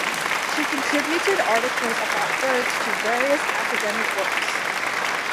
She contributed articles about birds to various academic works.